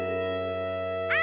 あ！